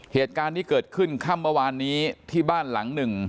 เหตุการณ์นี้เกิดขึ้นค่ำเมื่อวานนี้ที่บ้านหลังหนึ่ง